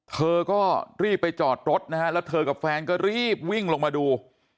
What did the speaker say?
เธอก็รีบไปจอดรถนะฮะแล้วเธอกับแฟนก็รีบวิ่งลงมาดู